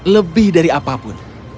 lebih dari apapun